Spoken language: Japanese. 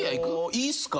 いいっすか？